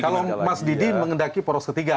kalau mas didi mengendaki poros ketiga